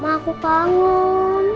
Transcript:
mama aku panggung